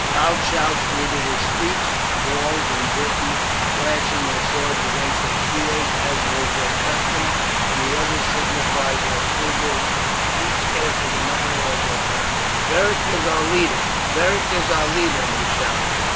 Loud shouts greeted his speech, the Gauls and Britons clashing their swords against their shields as was their custom, and the others signified their approval each after the manner of his country. "Beric is our leader! Beric is our leader!" they shouted.